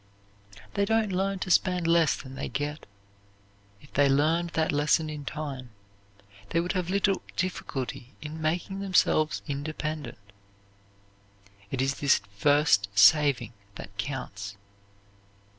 They don't learn to spend less than they get. If they learned that lesson in time, they would have little difficulty in making themselves independent. It is this first saving that counts.